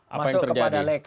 apa yang terjadi